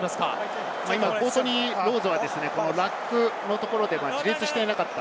コートニー・ロウズはラックのところで自立していなかった。